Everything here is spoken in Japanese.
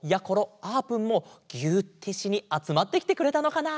あーぷんもぎゅーってしにあつまってきてくれたのかな？